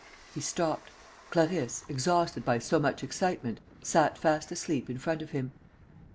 He stopped. Clarisse, exhausted by so much excitement, sat fast asleep in front of him.